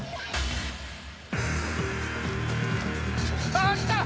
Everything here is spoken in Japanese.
あっ来た！